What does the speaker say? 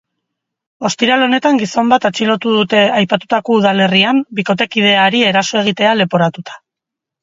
Ostiral honetan gizon bat atxilotu dute aipatutako udalerria, bikotekideari eraso egitea leporatuta.